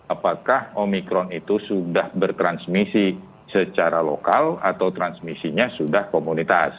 apakah omikron itu sudah bertransmisi secara lokal atau transmisinya sudah komunitas